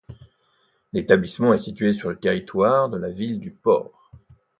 L'établissement est situé sur le territoire de la ville du Port.